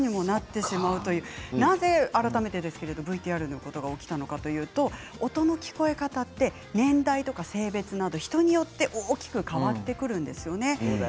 なぜ改めてＶＴＲのようなことが起きたかといいますと音の聞こえ方って年代とか性別など人によって大きく変わってくるんですよね。